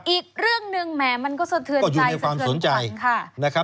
อีกเรื่องหนึ่งแหมมันก็สะเทือนใจสะเทือนขวัญค่ะ